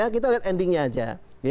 kita lihat endingnya aja